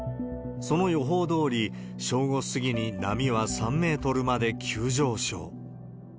その予報どおり、正午過ぎに波は３メートルまで急上昇。